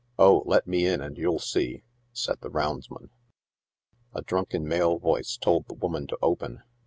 Oh, let me in and you'll see," said the roundsman. A drunken male voice told the woaiau to open.